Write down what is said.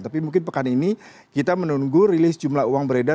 tapi mungkin pekan ini kita menunggu rilis jumlah uang beredar